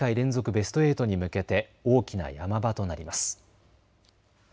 ベスト８に向けて大きな山場となります。